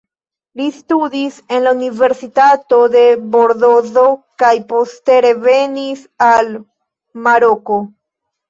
Li studis en la Universitato de Bordozo kaj poste revenis al Maroko.